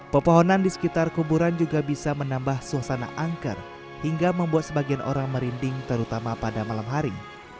pepohonan di sekitar kuburan juga bisa menambah suasana angker hingga membuat sebagian orang merinding terutama pada malam hari